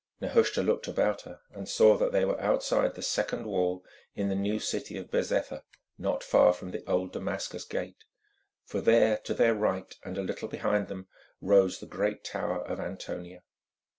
Nehushta looked about her, and saw that they were outside the second wall in the new city of Bezetha, not far from the old Damascus Gate, for there, to their right and a little behind them, rose the great tower of Antonia.